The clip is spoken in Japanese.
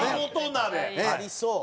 ありそう。